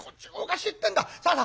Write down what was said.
さあさ